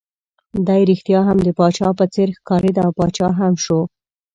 دی ريښتیا هم د پاچا په څېر ښکارېد، او پاچا هم شو.